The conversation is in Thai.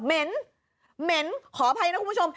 มีเม้นขออภัยนะคุณผู้ชม